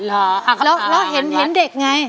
เหลือแล้วเห็นเด็กไง